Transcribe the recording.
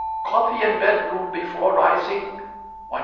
Coffee in bedroom before rising, 1s.